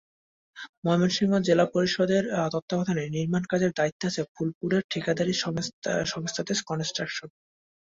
ময়মনসিংহ জেলা পরিষদের তত্ত্বাবধানে নির্মাণকাজের দায়িত্বে আছে ফুলপুরের ঠিকাদারি সংস্থা দেশ কনস্ট্রাকশন।